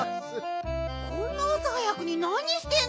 こんなあさ早くになにしてんの？